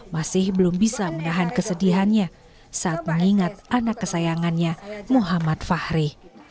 masih belum bisa menahan kesedihannya saat mengingat anak kesayangannya muhammad fahri